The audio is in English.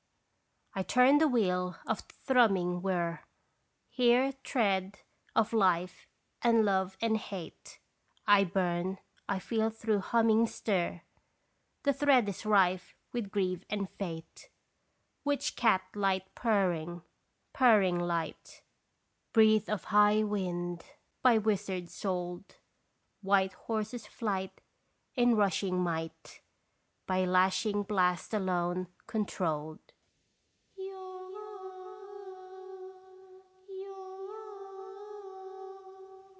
I turn the wheel of thrumming whir, Hear tread of life and love and hate. I burn, I feel through humming stir The thread is rife with grief and fate. Witch cat light purring, purrring light, Breathe of high wind by wizard sold, White horses' flight in rushing might By lashing blast alone controlled.